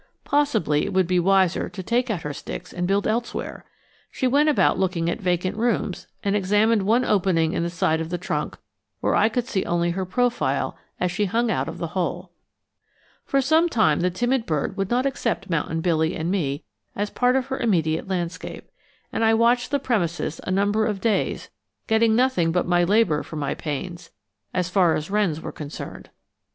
Possibly it would be wiser to take out her sticks and build elsewhere. She went about looking at vacant rooms and examined one opening in the side of the trunk where I could see only her profile as she hung out of the hole. For some time the timid bird would not accept Mountain Billy and me as part of her immediate landscape, and I watched the premises a number of days, getting nothing but my labor for my pains, as far as wrens were concerned.